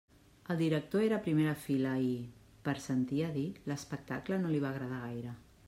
El director era a primera fila i, per sentir a dir, l'espectacle no li va agradar gaire.